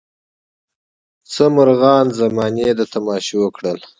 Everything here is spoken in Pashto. څه مرغان زمانې د تماشو کړل.